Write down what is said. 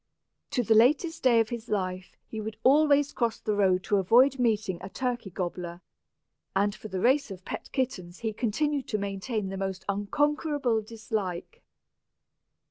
To the latest day of his life he would always cross the road to avoid meeting a turkey gobbler, and for the race of pet kittens he continued to maintain the most unconquerable dislike.